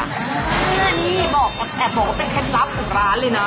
นี่แอบบอกว่าเป็นเคล็ดลับของร้านเลยนะ